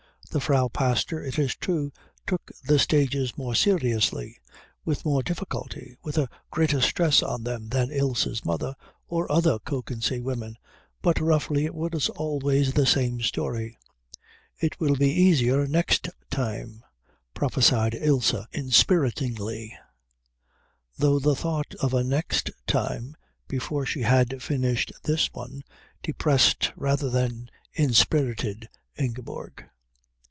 The Frau Pastor, it is true, took the stages more seriously, with more difficulty, with a greater stress on them than Ilse's mother or other Kökensee women, but roughly it was always the same story. "It will be easier next time," prophesied Ilse inspiritingly; though the thought of a next time before she had finished this one depressed rather than inspirited Ingeborg.